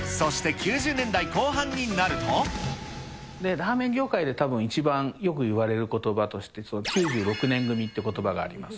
ラーメン業界でたぶん、一番よく言われることばとして、９６年組ということばがあります。